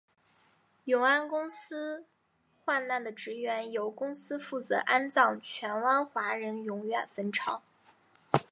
永安公司罹难的职员由公司负责安葬荃湾华人永远坟场。